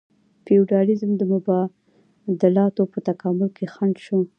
فیوډالیزم د مبادلاتو په تکامل کې خنډ شو.